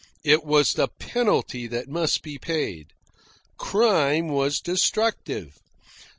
It was the penalty that must be paid. Crime was destructive.